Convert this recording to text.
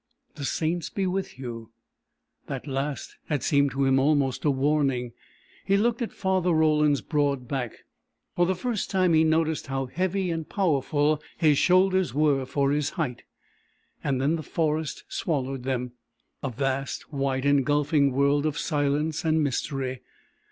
The saints be with you!" That last had seemed to him almost a warning. He looked at Father Roland's broad back; for the first time he noticed how heavy and powerful his shoulders were for his height. Then the forest swallowed them a vast, white, engulfing world of silence and mystery.